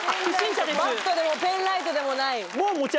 バットでもペンライトでもない。